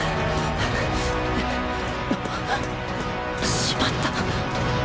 しまった。